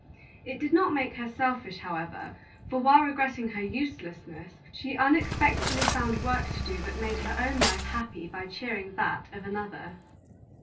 It did not make her selfish, however, for while regretting her uselessness, she unexpectedly found work to do that made her own life happy by cheering that of another.